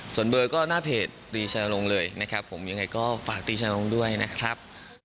ส่วนเบอร์ก็หน้าเพจตีชาลงเลยนะครับผมยังไงก็ฝากตีชาลงด้วยนะครับ